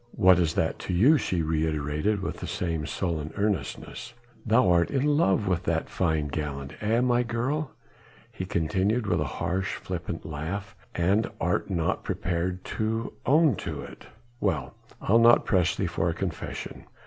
"What is that to you?" she reiterated, with the same sullen earnestness. "Thou art in love with that fine gallant, eh, my girl?" he continued with a harsh, flippant laugh, "and art not prepared to own to it. Well! I'll not press thee for a confession.